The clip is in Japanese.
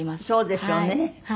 そうですよね。